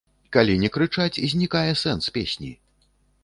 Калі не крычаць, знікае сэнс песні.